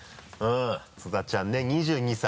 津田ちゃんね２２歳。